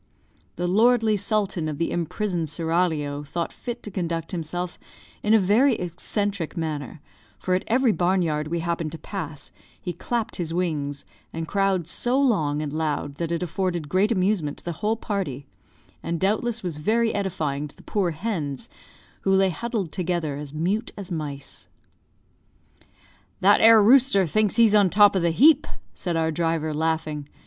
The lordly sultan of the imprisoned seraglio thought fit to conduct himself in a very eccentric manner, for at every barn yard we happened to pass, he clapped his wings, and crowed so long and loud that it afforded great amusement to the whole party, and doubtless was very edifying to the poor hens, who lay huddled together as mute as mice. "That 'ere rooster thinks he's on the top of the heap," said our driver, laughing.